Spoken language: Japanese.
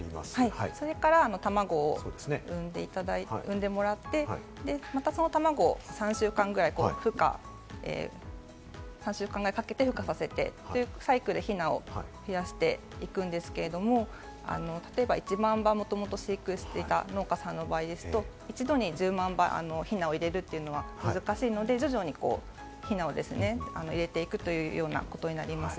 それから、たまごを産んでもらって、そのたまごを３週間くらいかけて孵化させて、ヒナを増やしていくんですけれども、例えば１万羽をもともと飼育していた農家さんの場合ですと、一度に１０万羽ヒナを入れるというのは難しいので、徐々にヒナを入れていくというようなことになります。